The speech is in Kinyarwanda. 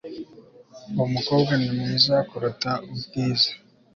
Uwo mukobwa ni mwiza kuruta ubwiza